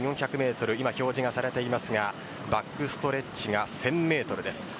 今、表示されていますがバックストレッチが１０００ｍです。